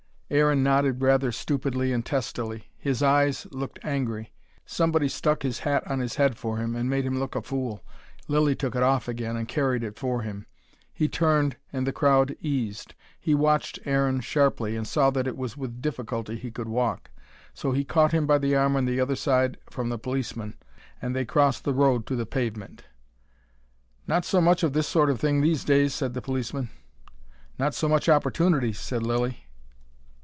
Aaron nodded rather stupidly and testily. His eyes looked angry. Somebody stuck his hat on his head for him, and made him look a fool. Lilly took it off again, and carried it for him. He turned and the crowd eased. He watched Aaron sharply, and saw that it was with difficulty he could walk. So he caught him by the arm on the other side from the policeman, and they crossed the road to the pavement. "Not so much of this sort of thing these days," said the policeman. "Not so much opportunity," said Lilly.